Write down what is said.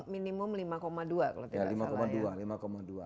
minimum lima dua kalau tidak salah